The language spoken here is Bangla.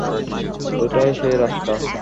এইটাই সেই রাস্তা!